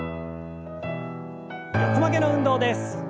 横曲げの運動です。